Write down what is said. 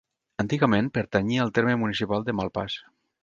Antigament pertanyia al terme municipal de Malpàs.